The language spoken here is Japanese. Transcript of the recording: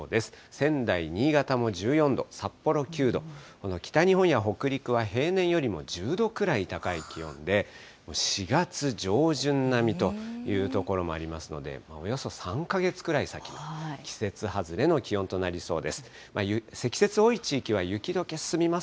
仙台、新潟も１４度、札幌９度、北日本や北陸は平年よりも１０度くらい高い気温で、４月上旬並みという所もありますので、およそ３か月ぐらい先、季節外れの気温となりそうです。